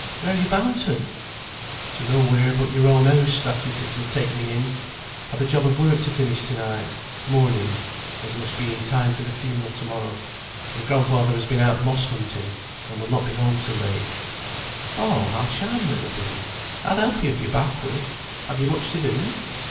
Where are you bound to?" "To nowhere but your own house (that is, if you'll take me in). I've a job of work to finish to night; mourning, as must be in time for the funeral to morrow; and grandfather has been out moss hunting, and will not be home till late." "Oh, how charming it will be. I'll help you if you're backward. Have you much to do?"